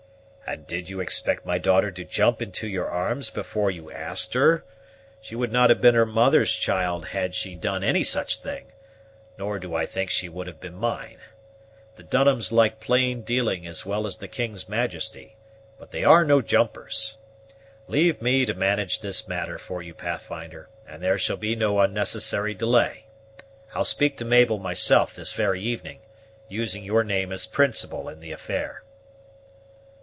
"And did you expect my daughter to jump into your arms before you asked her? She would not have been her mother's child had she done any such thing, nor do I think she would have been mine. The Dunhams like plain dealing as well as the king's majesty; but they are no jumpers. Leave me to manage this matter for you, Pathfinder, and there shall be no unnecessary delay. I'll speak to Mabel myself this very evening, using your name as principal in the affair."